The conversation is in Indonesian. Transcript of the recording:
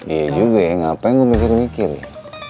iya juga ya ngapain gue mikir mikir ya